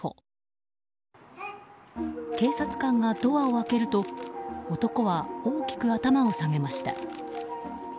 警察官がドアを開けると男は大きく頭を下げました。